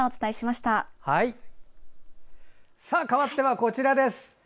かわっては、こちらです。